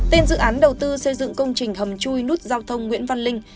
tên dự án đầu tư xây dựng công trình hầm chui nút giao thông nguyễn văn linh